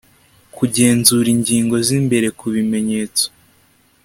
kugenzura ingingo zimbere kubimenyetso